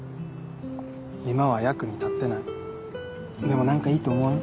今は役に立ってないでもなんかいいと思わん？